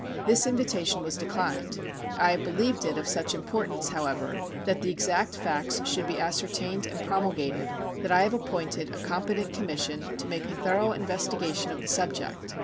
This invitation was declined. I have believed it of such importance, however, that the exact facts should be ascertained and promulgated that I have appointed a competent commission to make a thorough investigation of the subject.